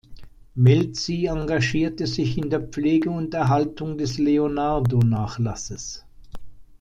Melzi engagierte sich in der Pflege und Erhaltung des Leonardo-Nachlasses.